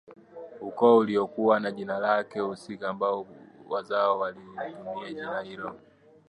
ukoo ulikuwa na jina lake husika ambao wazawa walilitumia jina hilo